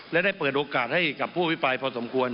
และได้เปิดโอกาสให้กับผู้อภิปรายพอสมควร